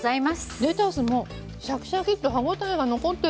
レタスもシャキシャキッと歯応えが残ってる！